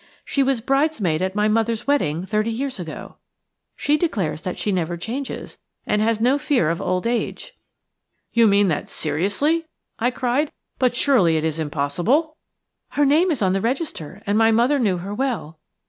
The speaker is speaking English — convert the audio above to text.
She was bridesmaid at my mother's wedding thirty years ago. She declares that she never changes, and has no fear of old age." "You mean that seriously?" I cried. "But surely it is impossible?" "Her name is on the register, and my mother knew her well.